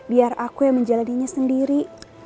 biar aku yang menjalaninya sendiri